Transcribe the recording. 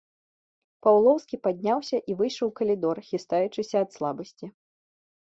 Паўлоўскі падняўся і выйшаў у калідор, хістаючыся ад слабасці.